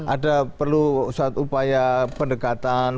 ada perlu suatu upaya pendekatan